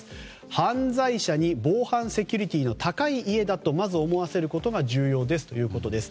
犯罪者に防犯セキュリティーが高い家だとまずは思わせることが重要ですということです。